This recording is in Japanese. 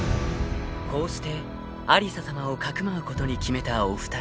［こうして有沙さまをかくまうことに決めたお二人］